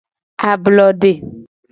Ablode.